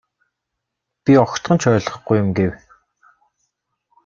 Би огтхон ч ойлгохгүй юм гэв.